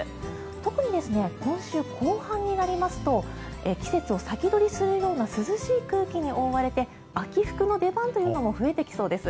特に今週後半になりますと季節を先取りするような涼しい空気に覆われて秋服の出番というのも増えてきそうです。